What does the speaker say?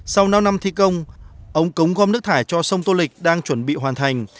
sau năm năm thi công ống cống gom nước thải cho sông tô lịch đang chuẩn bị hoàn thành